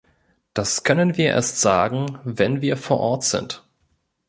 Das können wir erst sagen, wenn wir vor Ort sind.